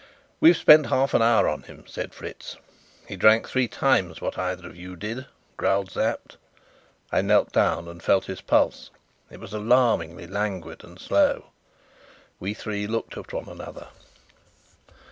"We've spent half an hour on him," said Fritz. "He drank three times what either of you did," growled Sapt. I knelt down and felt his pulse. It was alarmingly languid and slow. We three looked at one another.